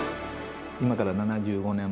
今から７５年前の